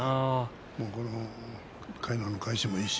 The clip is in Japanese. このかいなの返しもいいし。